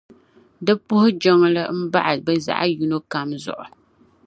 Di puhi jiŋli m-bahi bɛ zaɣiyino kam zuɣu.